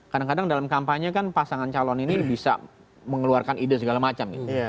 kadang kadang dalam kampanye kan pasangan calon ini bisa mengeluarkan ide segala macam gitu